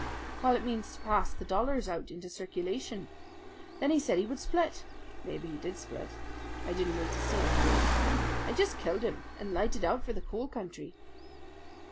"Well, it means to pass the dollars out into circulation. Then he said he would split. Maybe he did split. I didn't wait to see. I just killed him and lighted out for the coal country."